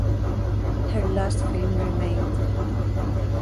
Her last film remained.